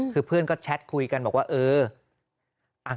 คือเพื่อนก็แชทคุยกันบอกว่าเออ